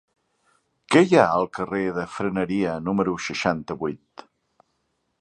Què hi ha al carrer de Freneria número seixanta-vuit?